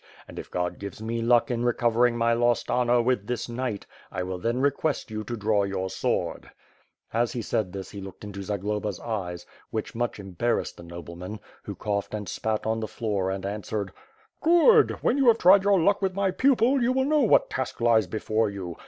And, if God gives me luck in recovering my lost honor with this knight, I will then requestyon to draw your sword/' As he said this he looked into Zagloba's eyes, which much embarrassed the nobleman, who coughed and spat on the floor and answered: '*Good, when you have tried your luck with my pupil, you will know what task lies before you.